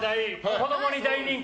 子供に大人気。